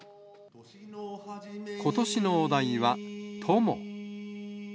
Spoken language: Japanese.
ことしのお題は、友。